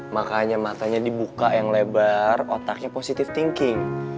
makanya matanya dibuka yang lebar otaknya positif thinking